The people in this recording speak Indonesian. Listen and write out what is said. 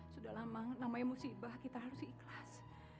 sudahlah mang namanya musibah kita harus ikhlas